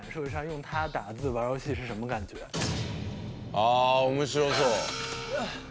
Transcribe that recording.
ああ面白そう。